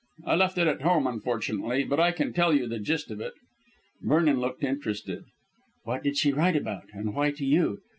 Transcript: I left it at home, unfortunately, but I can tell you the gist of it." Vernon looked interested. "What did she write about, and why to you?"